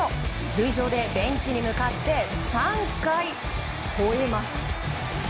塁上でベンチに向かって３回ほえます。